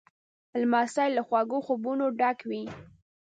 لمسی له خواږه خوبونو ډک وي.